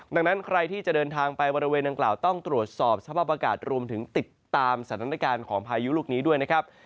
ดังนั้นใครที่จะเดินทางไปบริเวณดังกล่าวต้องตรวจสอบสภาพอากาศรวมถึงติดตามสถานการณ์ของพายุลูกนี้ด้วยนะครับ